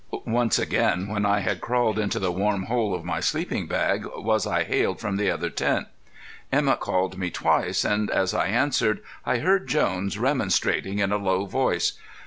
Once again, when I had crawled into the warm hole of my sleeping bag, was I hailed from the other tent. Emett called me twice, and as I answered, I heard Jones remonstrating in a low voice.